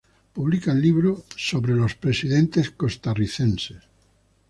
Publican libro sobre los presidentes costarricenses